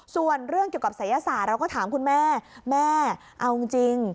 ส่วนเรื่องเกี่ยวกับศัยศาสตร์เราก็ถามคุณแม่แม่เอาจริง